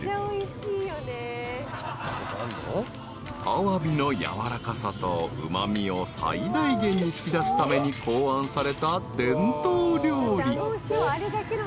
［アワビの軟らかさとうま味を最大限に引き出すために考案された伝統料理］